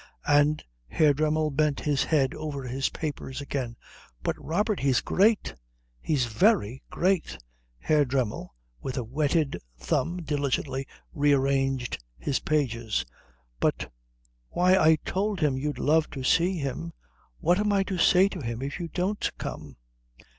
And Herr Dremmel bent his head over his papers again. "But, Robert, he's great he's very great " Herr Dremmel, with a wetted thumb, diligently rearranged his pages. "But why, I told him you'd love to see him. What am I to say to him if you don't come?"